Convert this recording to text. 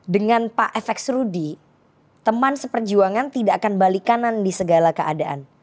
dengan pak fx rudi teman seperjuangan tidak akan balik kanan di segala keadaan